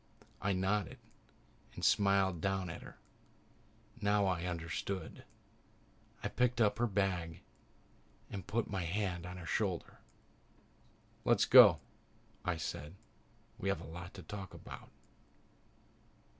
I nodded and smiled down at her. Now I understood. I picked up her bag and put my hand on her shoulder. "Let's go," I said. "We have a lot to talk about."